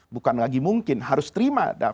bukan lagi mungkin harus terima